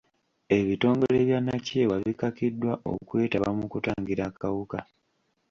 Ebitongole bya nakyewa bikakiddwa okwetaba mu kutangira akawuka.